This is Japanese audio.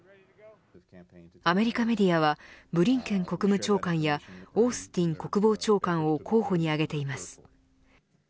アメリカメディアはブリンケン国務長官やオースティン国防長官を候補に挙げています。